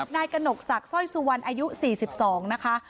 นายกระหนกศักดิ์ซ่อยซูวันอายุ๔๒นะคะ